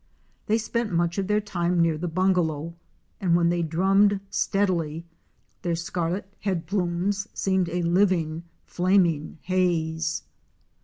They spent much of their time near the bungalow, and when they drummed steadily their scarlet head plumes seemed a living flaming haze.